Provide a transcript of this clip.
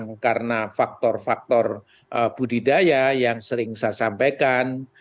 yang karena faktor faktor budidaya yang sering saya sampaikan